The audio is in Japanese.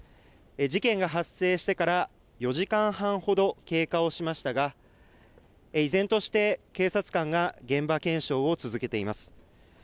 事件が発生してから４時間半ほど経過をしましたが依然として警察官が現場検証を続けています。